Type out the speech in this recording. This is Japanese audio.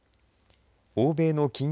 欧米の金融